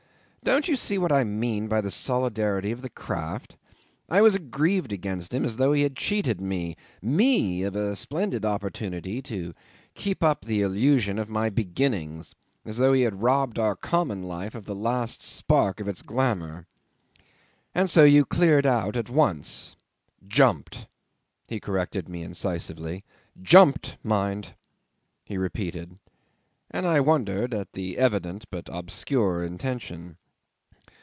Don't you see what I mean by the solidarity of the craft? I was aggrieved against him, as though he had cheated me me! of a splendid opportunity to keep up the illusion of my beginnings, as though he had robbed our common life of the last spark of its glamour. "And so you cleared out at once." '"Jumped," he corrected me incisively. "Jumped mind!" he repeated, and I wondered at the evident but obscure intention.